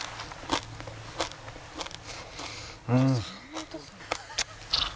うん。